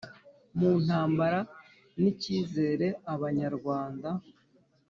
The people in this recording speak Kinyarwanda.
mu ntambara n icyizere Abanyarwanda